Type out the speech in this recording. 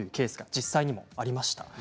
実際にもありました。